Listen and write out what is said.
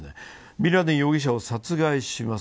ビンラディン容疑者を殺害します。